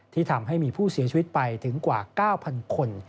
ทำให้มีผู้เสียชีวิตไปถึงกว่า๙๐๐คน